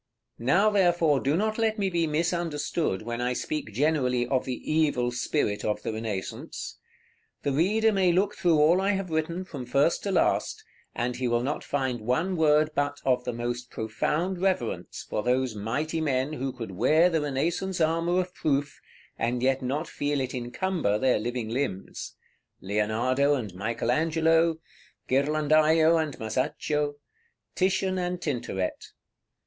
§ XXI. Now, therefore, do not let me be misunderstood when I speak generally of the evil spirit of the Renaissance. The reader may look through all I have written, from first to last, and he will not find one word but of the most profound reverence for those mighty men who could wear the Renaissance armor of proof, and yet not feel it encumber their living limbs, Leonardo and Michael Angelo, Ghirlandajo and Masaccio, Titian and Tintoret.